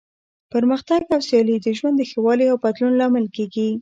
پرمختګ او سیالي د ژوند د ښه والي او بدلون لامل کیږي.